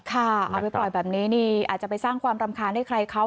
เอาไปปล่อยแบบนี้นี่อาจจะไปสร้างความรำคาญให้ใครเขา